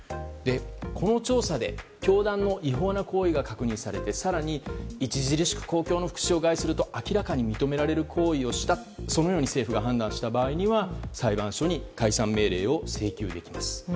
この調査で教団の違法な行為が確認されて更に著しく公共を害すると明らかに認められる行為をしたそのように政府が判断した場合には裁判所に解散命令を請求できます。